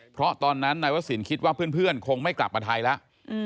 เพราะตอนนั้นนายวศิลป์คิดว่าเพื่อนคงไม่กลับมาไทยแล้ว